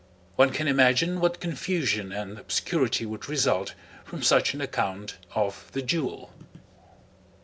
One can imagine what confusion and obscurity would result from such an account of the duel.